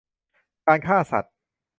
การฆ่าสัตว์